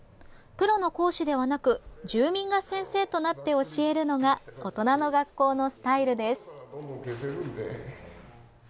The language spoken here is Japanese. プロの講師ではなく住民が先生となって教えるのが大人の学校のスタイルです。